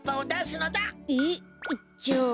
えっ？じゃあ。